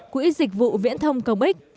quỹ dịch vụ viễn thông công ích